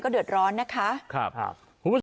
ก็เดือดร้อนนะคะครับครับ